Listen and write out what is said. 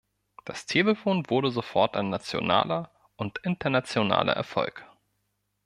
Das Telefon wurde sofort ein nationaler und internationaler Erfolg.